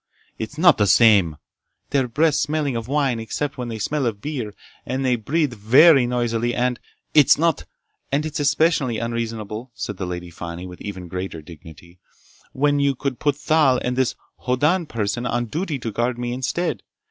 "It's not the same—" "Their breaths smelling of wine except when they smell of beer, and they breathe very noisily and—" "It's not—" "And it's especially unreasonable," said the Lady Fani with even greater dignity, "when you could put Thal and this—Hoddan person on duty to guard me instead.